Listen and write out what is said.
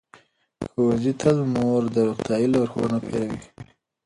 ښوونځې تللې مور د روغتیايي لارښوونو پیروي کوي.